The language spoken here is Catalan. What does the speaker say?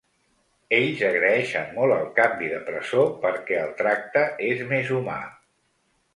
Ells agraeixen molt el canvi de presó perquè el tracte és més humà.